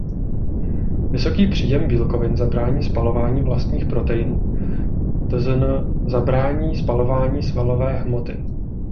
Vysoký příjem bílkovin zabrání spalování vlastních proteinů tzn. zabrání spalování svalové hmoty.